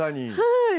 はい。